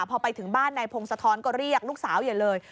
พอไปถึงบ้านนายพงศธรก็เรียกลูกสาวใหญ่เลย